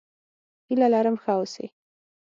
هيله لرم ښه اوسې!